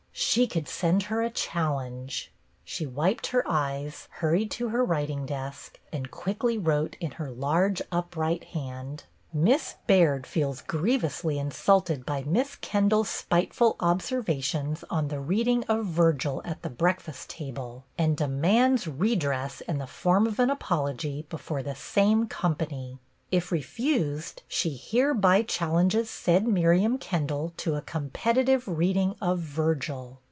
She could send her a challenge ! She wiped her eyes, hurried to her writing desk, and quickly wrote in her large, upright hand : Miss Baird feels grievously insulted by Miss Kendall's spiteful observations on the reading of Virgil at the breakfast table, and demands redress in the form of an apology before the same company. If refused, she hereby challenges said Miriam Kendall to a competitive reading of Virgil.